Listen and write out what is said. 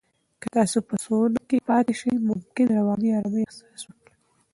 که تاسو په سونا کې پاتې شئ، ممکن رواني آرامۍ احساس وکړئ.